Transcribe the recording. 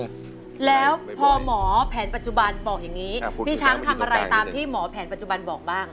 แล้วพอหมอแผนปัจจุบันบอกอย่างนี้พี่ช้างทำอะไรตามที่หมอแผนปัจจุบันบอกบ้าง